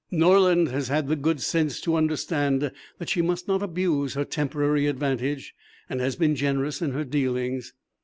Norland has had the good sense to understand that she must not abuse her temporary advantage, and has been generous in her dealings.